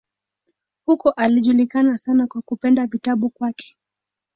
Huko alijulikana sana kwa kupenda vitabu kwake.